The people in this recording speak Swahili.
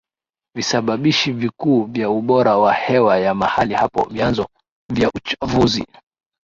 visababishi vikuu vya ubora wa hewa ya mahali hapo Vyanzo vya uchafuzi